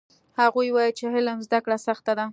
هغوی وایي چې علم زده کړه سخته ده